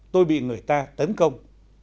tôi bị người ta tấn công